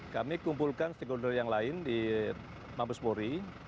kami kumpulkan stakeholder yang lain di mabes polri